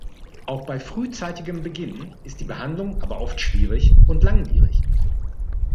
Auch bei frühzeitigem Beginn ist die Behandlung aber oft schwierig und langwierig.